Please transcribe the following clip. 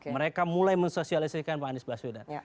mereka mulai mensosialisikan pak anies baswedan